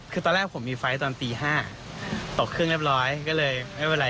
คือตอนแรกผมมีไฟล์ตอนตี๕ตกเครื่องเรียบร้อยก็เลยไม่เป็นไร